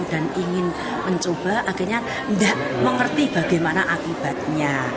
dan ingin mencoba akhirnya tidak mengerti bagaimana akibatnya